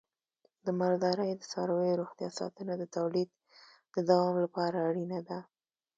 د مالدارۍ د څارویو روغتیا ساتنه د تولید د دوام لپاره اړینه ده.